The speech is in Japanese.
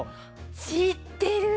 しってる。